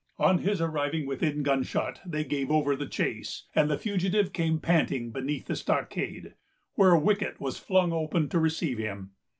On his arriving within gunshot, they gave over the chase, and the fugitive came panting beneath the stockade, where a wicket was flung open to receive him.